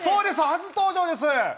初登場です！